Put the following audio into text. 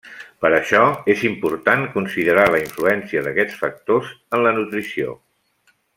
Per això, és important considerar la influència d'aquests factors en la nutrició.